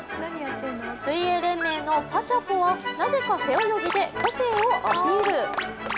水泳連盟のパチャポはなぜか背泳ぎで個性をアピール。